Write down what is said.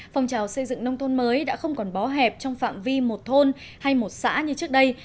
phòng trào xây dựng nông thôn mới đã không còn bó hẹp trong phạm vi một thôn hay một xã như trước đây